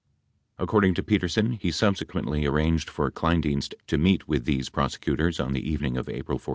92 According to Petersen, he subsequently arranged for Kleindienst to meet with these prosecutors on the evening of April 14.